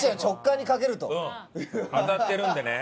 当たってるんでね。